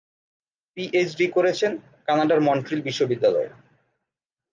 PhD করেছেন কানাডার Montreal বিশ্ববিদ্যালয়ে।